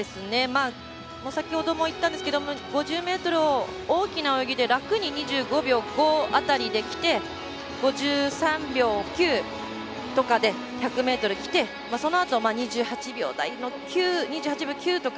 先ほども言ったんですけど５０ｍを大きな泳ぎで楽に２５秒５辺りできて５３秒９とかで１００ｍきて、そのあとに２８秒９とか